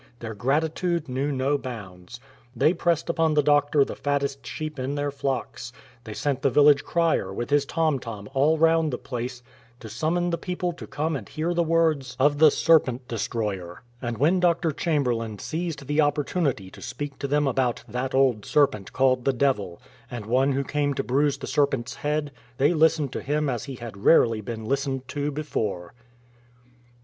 Their gratitude knew no bounds. They pressed upon the doctor the fattest sheep in their flocks. They sent the villac^e crier with his tom tom all round the place to summon the people to come and hear the words 41 SOME TIGER ADVENTURES of " the serpent destroyer.'*' And when Dr. Chamherlain seized the opportunity to speak to them about " that old serpent called the devil,' and One who came to bruise the serpent's head, they listened to him as he had rarely been listened to before.